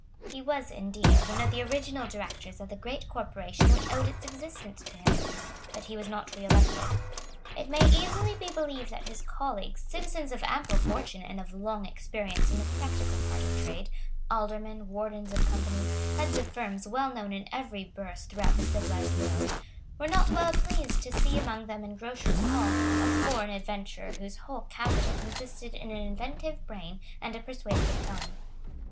He was, indeed, one of the original Directors of the great corporation which owed its existence to him; but he was not reelected. It may easily be believed that his colleagues, citizens of ample fortune and of long experience in the practical part of trade, aldermen, wardens of companies, heads of firms well known in every Burse throughout the civilised world, were not well pleased to see among them in Grocers' Hall a foreign adventurer whose whole capital consisted in an inventive brain and a persuasive tongue.